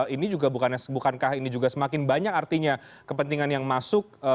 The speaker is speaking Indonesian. ini juga bukankah semakin banyak artinya kepentingan yang masuk